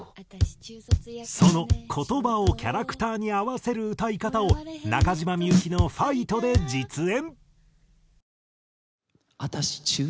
その言葉をキャラクターに合わせる歌い方を中島みゆきの『ファイト！』で実演。